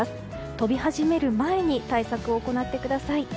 飛び始める前に対策を行ってください。